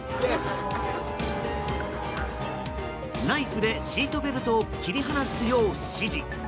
ナイフでシートベルトを切り離すよう指示。